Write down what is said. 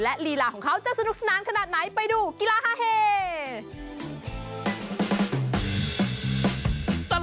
ลีลาของเขาจะสนุกสนานขนาดไหนไปดูกีฬาฮาเฮ